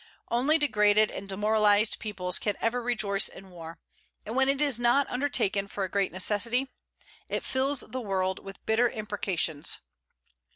Only degraded and demoralized peoples can ever rejoice in war; and when it is not undertaken for a great necessity, it fills the world with bitter imprecations.